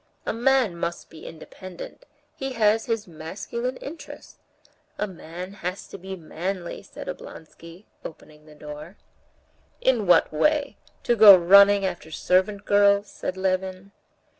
A man must be independent; he has his masculine interests. A man has to be manly," said Oblonsky, opening the door. "In what way? To go running after servant girls?" said Levin.